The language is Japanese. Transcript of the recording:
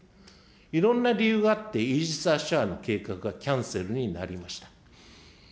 いろんな理由があって、イージス・アショアの計画がキャンセルになりました。